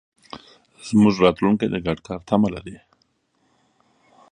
زموږ راتلونکی د ګډ کار تمه لري.